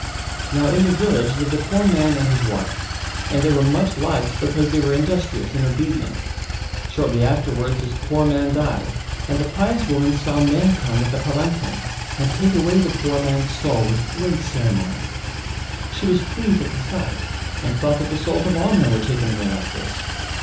Now in the village lived a poor man and his wife and they were much liked because they were industrious and obedient; shortly afterwards this poor man died and the pious woman saw men come with a palankin and take away the poor man's soul with great ceremony. She was pleased at the sight and thought that the souls of all men were taken away like this.